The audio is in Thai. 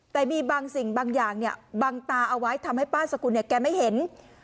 แต่มีบางสิ่งบางอย่างเนี่ยบังตาเอาไว้ทำให้ป้าสกุลเนี่ยแกไม่เห็น